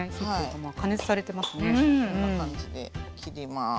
こんな感じで切ります。